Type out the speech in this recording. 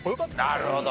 なるほど。